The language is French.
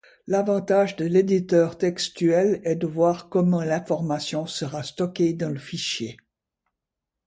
L'avantage de l'éditeur textuel est de voir comment l'information sera stockée dans le fichier.